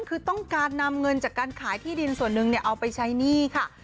คือต้องการนำเงินจากการขายที่ดินส่วนหนึ่งเอาไปใช้หนี้ค่ะ